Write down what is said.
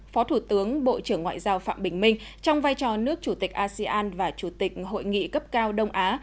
phó thủ tướng bộ trưởng ngoại giao phạm bình minh trong vai trò nước chủ tịch asean và chủ tịch hội nghị cấp cao đông á